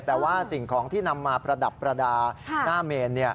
แต่ว่าสิ่งของที่นำมาประดับประดาษหน้าเมน